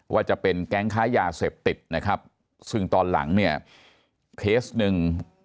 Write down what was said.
ว่าจะเป็นแก๊งค้ายาเสพติดนะครับซึ่งตอนหลังเนี่ยเคสหนึ่ง